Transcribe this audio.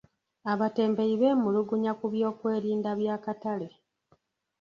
Abatembeeyi beemulugunya ku by'okwerinda by'akatale.